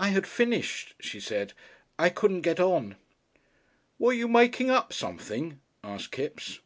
"I had finished," she said. "I couldn't get on." "Were you making up something?" asked Kipps.